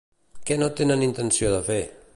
Què no tenen intenció de fer?